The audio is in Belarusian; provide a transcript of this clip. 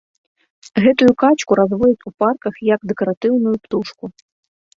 Гэтую качку разводзяць у парках як дэкаратыўную птушку.